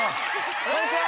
・こんにちは！